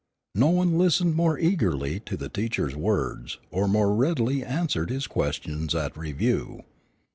No one listened more eagerly to the teacher's words, or more readily answered his questions at review.